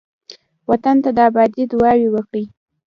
وطن ته د آبادۍ دعاوې وکړئ.